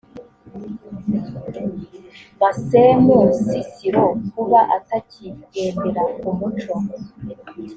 massemu nsisiro kuba atakigendera ku muco